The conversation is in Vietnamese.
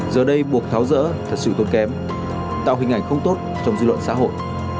giờ đây buộc tháo rỡ thật sự tốn kém tạo hình ảnh không tốt trong dư luận xã hội